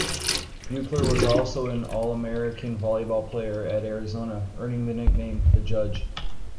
Buechler was also an All-American volleyball player at Arizona, earning the nickname "The Judge".